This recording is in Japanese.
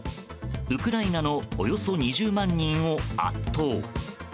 ウクライナのおよそ２０万人を圧倒。